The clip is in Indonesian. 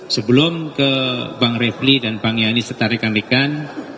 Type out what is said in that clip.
sebelum ke bang refli dan bang yanis setarikan rekan